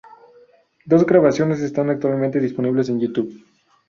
Dos grabaciones están actualmente disponibles en Youtube.